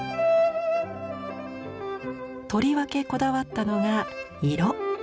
とりわけこだわったのが色。